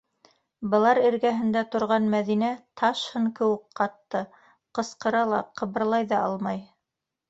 Былар эргәһендә торған Мәҙинә таш һын кеүек ҡатты, ҡысҡыра ла, ҡыбырлай ҙа алмай.